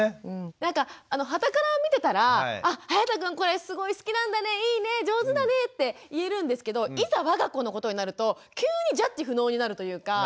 なんかはたから見てたらあはやたくんこれすごい好きなんだねいいね上手だねって言えるんですけどいざわが子のことになると急にジャッジ不能になるというか。